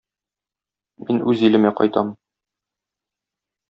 Мин үз илемә кайтам.